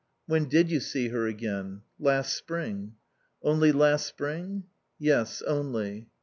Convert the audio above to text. "When did you see her again?" "Last spring." "Only last spring?" "Yes, only."